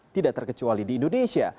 tidak terkecuali di indonesia